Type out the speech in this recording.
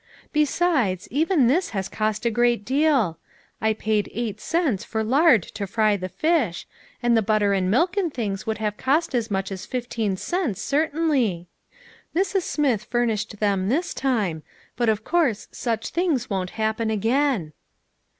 Besides, even this has cost a great deal. I paid eight cents for lard to fry the fish, and the butter and milk and things would have cost as much as fifteen cents cer tainly. Mrs. Smith furnished them this time, but of course such things won't happen again."